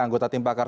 anggota tim pakar